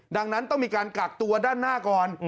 ดังนั้นต้องมีการกักตัวด้านหน้าก่อน